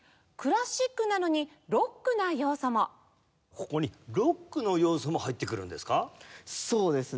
ここにロックの要素も入ってくるんですか？